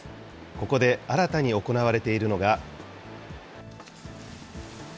ここで新たに行われているのが。